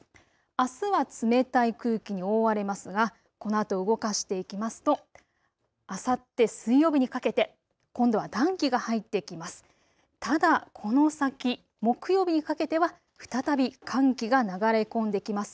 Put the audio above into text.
あすは冷たい空気に覆われますがこのあと動かしていきますとあさって水曜日にかけて今度は暖気が入ってきます。